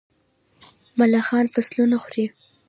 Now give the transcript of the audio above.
ملخان فصلونه خوري.